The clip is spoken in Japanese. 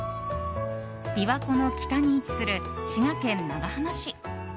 琵琶湖の北に位置する滋賀県長浜市。